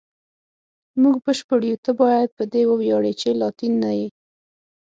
موږ بشپړ یو، ته باید په دې وویاړې چې لاتین نه یې.